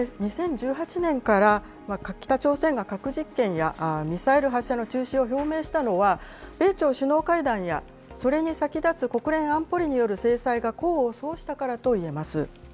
２０１８年から、北朝鮮が核実験やミサイル発射の中止を表明したのは、米朝首脳会談や、それに先立つ国連安保理による制裁が功を奏したからと言えます。